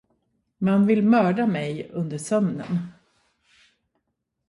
Man vill mörda mig under sömnen.